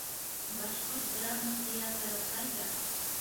Башҡорт драма театры ҡайҙа?